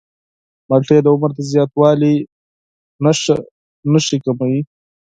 مالټې د عمر د زیاتوالي نښې کموي.